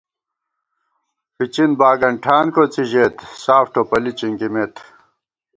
فِچِن باگنٹھان کوڅی ژېت ، ساف ٹوپَلی چِنکِمېت